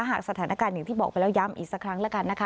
หากสถานการณ์อย่างที่บอกไปแล้วย้ำอีกสักครั้งแล้วกันนะคะ